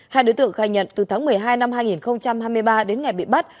hai đối tượng khai nhận từ tháng một mươi hai năm hai nghìn hai mươi ba đến ngày bị bắt